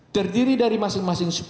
terdiri dari masing masing